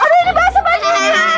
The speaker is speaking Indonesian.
aduh ini basah banget